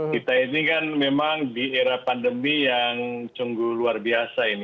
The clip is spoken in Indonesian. kita ini kan memang di era pandemi yang sungguh luar biasa ini